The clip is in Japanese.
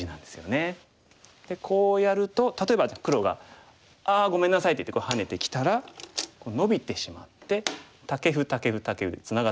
でこうやると例えば黒が「ああごめんなさい」って言ってハネてきたらノビてしまってタケフタケフタケフでツナがってますよね。